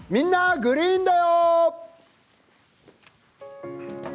グリーンだよ」